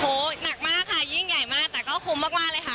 โอ้โหหนักมากค่ะยิ่งใหญ่มากแต่ก็คุ้มมากเลยค่ะ